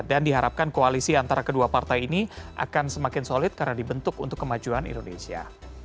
dan diharapkan koalisi antara kedua partai ini akan semakin solid karena dibentuk untuk kemajuan indonesia